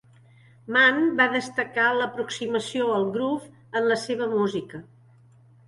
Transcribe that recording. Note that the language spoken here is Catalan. Mann va destacar l'aproximació al groove en la seva música.